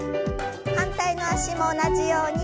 反対の脚も同じように。